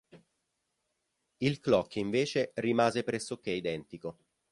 Il clock invece rimase pressoché identico.